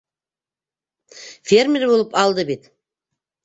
Фермер булып алды бит.